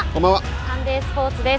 サンデースポーツです。